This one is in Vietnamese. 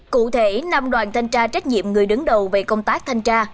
cụ thể năm đoàn thanh tra trách nhiệm người đứng đầu về công tác thanh tra